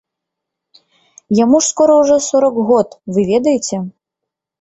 Яму ж скора ўжо сорак год, вы ведаеце?